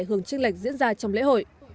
hưởng chức lệch diễn ra trong lễ hội